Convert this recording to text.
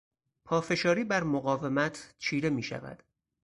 پافشاری بر مقاومت چیره میشود.